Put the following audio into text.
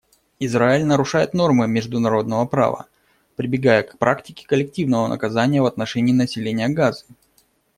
Израиль нарушает нормы международного права, прибегая к практике коллективного наказания в отношении населения Газы.